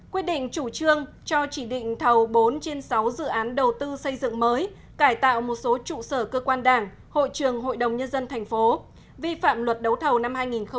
quyết định chủ trương cho chỉ định thầu bốn trên sáu dự án đầu tư xây dựng mới cải tạo một số trụ sở cơ quan đảng hội trường hội đồng nhân dân tp vi phạm luật đấu thầu năm hai nghìn một mươi sáu